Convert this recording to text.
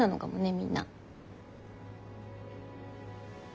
みんな。